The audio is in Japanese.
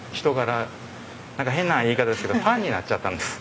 なんか変な言い方ですけどファンになっちゃったんです。